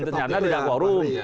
ternyata tidak quorum